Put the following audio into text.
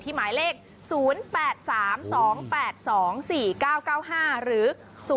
ที่หมายเลข๐๘๓๒๘๒๔๙๙๕หรือ๐๙๙๒๘๙๕๔๔๒